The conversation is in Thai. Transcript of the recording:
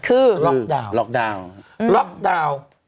คือล็อกดาวน์